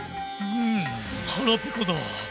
んはらぺこだ。